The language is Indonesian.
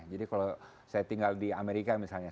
jadi kalau saya tinggal di amerika misalnya